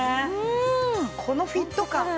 このフィット感。